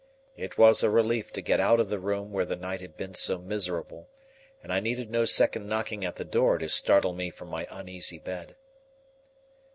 It was a relief to get out of the room where the night had been so miserable, and I needed no second knocking at the door to startle me from my uneasy bed.